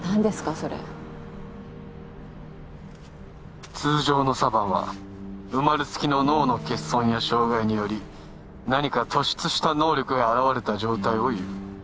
それ通常のサヴァンは生まれつきの脳の欠損や障害により何か突出した能力が現れた状態をいう